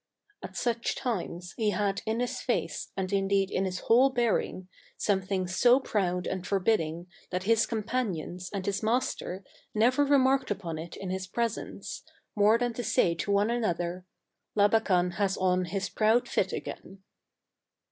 At such times he had in his face and indeed in his whole bearing, something so proud and forbidding that his companions and his master never remarked upon it in his presence, more than to say to one another, " Labakan has on his proud fit again." 192 THE CAB AVAN.